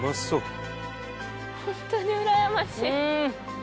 ［そう］